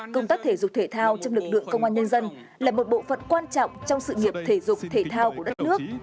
công tác thể dục thể thao trong lực lượng công an nhân dân là một bộ phận quan trọng trong sự nghiệp thể dục thể thao của đất nước